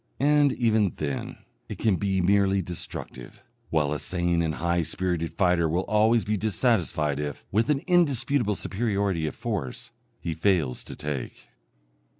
And, even then, it can be merely destructive, while a sane and high spirited fighter will always be dissatisfied if, with an indisputable superiority of force, he fails to take.